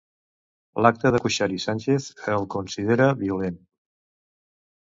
L'acte de Cuixart i Sánchez el considera "violent".